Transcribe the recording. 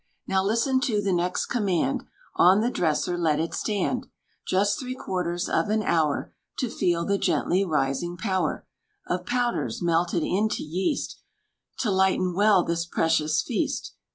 Now listen to the next command: On the dresser let it stand Just three quarters of an hour, To feel the gently rising power Of powders, melted into yeast, To lighten well this precious feast.